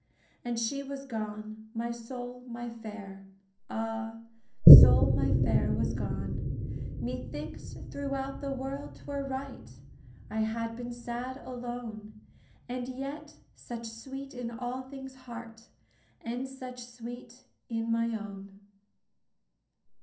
And she was gone, my sole, my Fair, Ah, sole my Fair, was gone! Methinks, throughout the world 'twere right I had been sad alone; And yet, such sweet in all things' heart, And such sweet in my own!